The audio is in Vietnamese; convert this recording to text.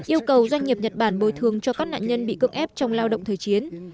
yêu cầu doanh nghiệp nhật bản bồi thường cho các nạn nhân bị cưỡng ép trong lao động thời chiến